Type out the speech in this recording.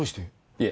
いえ